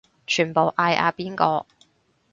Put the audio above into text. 全部嗌阿邊個